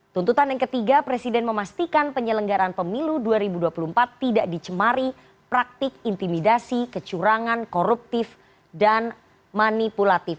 tuntutan yang ketiga presiden memastikan penyelenggaran pemilu dua ribu dua puluh empat tidak dicemari praktik intimidasi kecurangan koruptif dan manipulatif